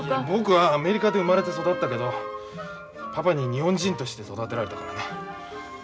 僕はアメリカで生まれて育ったけどパパに日本人として育てられたからな。